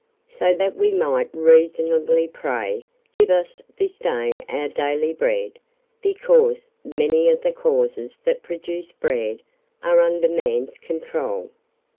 So that we might reasonably pray 'give us this day our daily bread,' because many of the causes that produce bread are under Man's control.